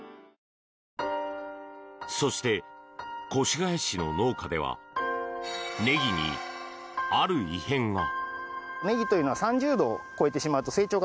そして、越谷市の農家ではネギにある異変が。